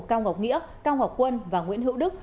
cao ngọc nghĩa cao ngọc quân và nguyễn hữu đức